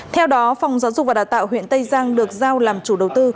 theo đó phòng giáo dục và đào tạo huyện tây giang được giao làm chủ đầu tư